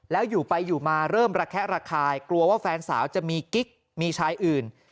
แล้วอยู่ไปอยู่มาเริ่มระแคะระคายกลัวว่าแฟนสาวจะมีกิ๊กมีชายอื่น